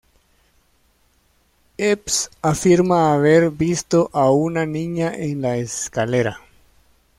Epps afirma haber visto a una niña en la escalera.